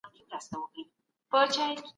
ټکنالوژي د زده کړې پروسه په ښوونځيو کې آسانه کوي.